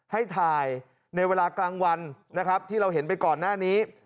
ให้ถ่ายในเวลากลางวันนะครับที่เราเห็นไปก่อนหน้านี้